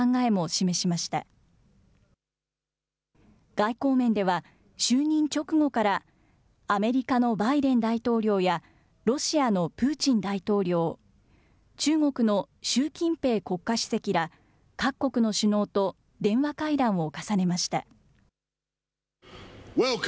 外交面では、就任直後から、アメリカのバイデン大統領やロシアのプーチン大統領、中国の習近平国家主席ら、各国の首脳と電話会談を重ねました。